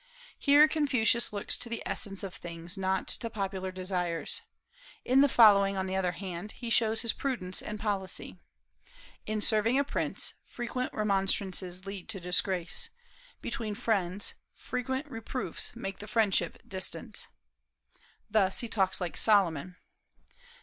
'" Here Confucius looks to the essence of things, not to popular desires. In the following, on the other hand, he shows his prudence and policy: "In serving a prince, frequent remonstrances lead to disgrace; between friends, frequent reproofs make the friendship distant." Thus he talks like Solomon.